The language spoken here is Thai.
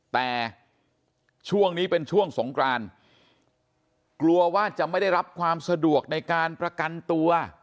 แต่ช่วงนี้เป็นช่วงสงกรานกลัวว่าจะไม่ได้รับความสะดวกในการประกันตัว